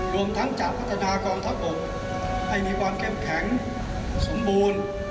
รวมทั้งจะพัฒนากองทัพบกให้มีความเข้มแข็งสมบูรณ์